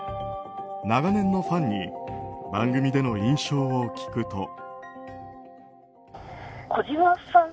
長年のファンに番組での印象を聞くと。